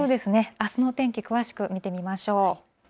あすの天気詳しく見ていきましょう。